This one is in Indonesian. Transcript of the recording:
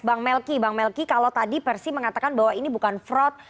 bang melki bang melki kalau tadi persi mengatakan bahwa ini bukan fraud